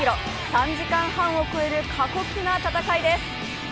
３時間半を超える、過酷な戦いです。